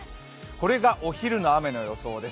これがお昼の雨の予想です。